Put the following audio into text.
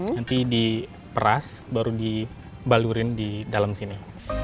nanti diperas baru dibalurin di dalam sini